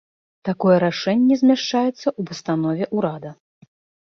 Такое рашэнне змяшчаецца ў пастанове ўрада.